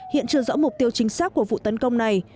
hiện chưa rõ mục tiêu chính xác của vụ tấn công này